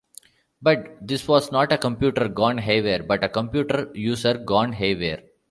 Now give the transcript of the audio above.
But this was not a computer gone haywire, but a computer user gone haywire.